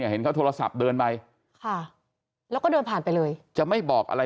เห็นเขาโทรศัพท์เดินไปค่ะแล้วก็เดินผ่านไปเลยจะไม่บอกอะไร